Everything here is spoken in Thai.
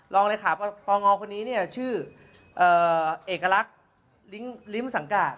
รองเลยขาพปะงอคนนี้ชื่อเอกลักษณ์ลิ้มสังการ